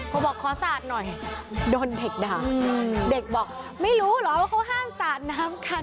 เขาบอกขอสาดหน่อยโดนเด็กด่าเด็กบอกไม่รู้เหรอว่าเขาห้ามสาดน้ำใคร